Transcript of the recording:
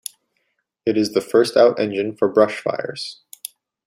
It is the first out engine for brush fires.